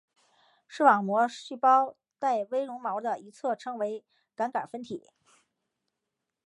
视网膜细胞带微绒毛的一侧称为感杆分体。